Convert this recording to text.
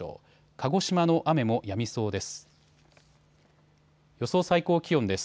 鹿児島の雨もやみそうです。